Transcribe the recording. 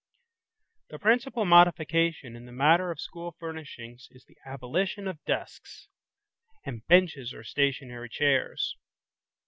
The principal modification in the matter of school furnishings is the abolition of desks, and benches or stationary chairs.